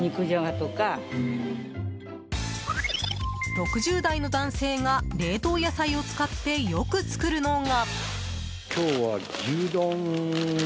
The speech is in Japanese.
６０代の男性が冷凍野菜を使ってよく作るのが。